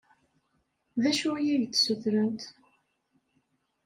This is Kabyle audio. D acu i ak-d-ssutrent?